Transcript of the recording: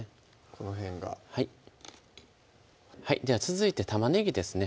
この辺がはいでは続いて玉ねぎですね